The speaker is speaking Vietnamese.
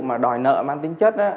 mà đòi nợ mang tính chất